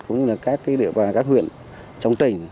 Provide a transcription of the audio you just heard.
cũng như là các địa bàn các huyện trong tỉnh